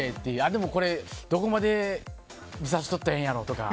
でもこれ、どこまで見させとったらええんやろとか。